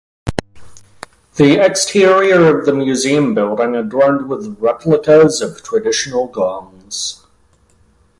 The exterior of the museum building adorned with replicas of traditional gongs.